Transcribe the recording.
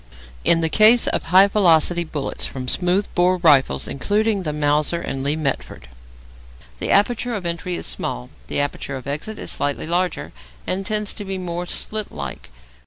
In the case of high velocity bullets from smooth bore rifles, including the Mauser and Lee Metford, the aperture of entry is small; the aperture of exit is slightly larger, and tends to be more slit like.